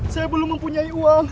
saya belum mempunyai uang